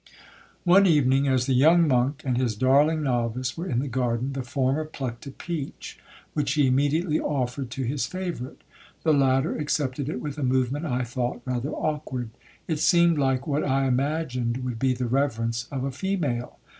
'One evening as the young monk and his darling novice were in the garden, the former plucked a peach, which he immediately offered to his favourite; the latter accepted it with a movement I thought rather awkward—it seemed like what I imagined would be the reverence of a female.